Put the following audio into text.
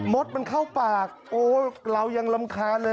ดมันเข้าปากโอ้เรายังรำคาญเลย